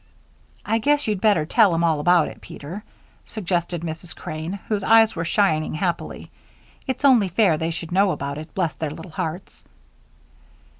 "I guess you'd better tell 'em all about it, Peter," suggested Mrs. Crane, whose eyes were shining happily. "It's only fair they should know about it bless their little hearts."